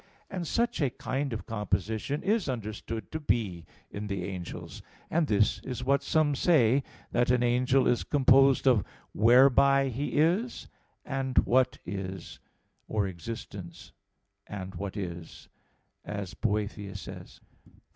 And such a kind of composition is understood to be in the angels; and this is what some say, that an angel is composed of, "whereby he is," and "what is," or "existence," and "what is," as Boethius says.